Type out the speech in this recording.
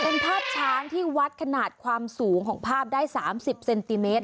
เป็นภาพช้างที่วัดขนาดความสูงของภาพได้๓๐เซนติเมตร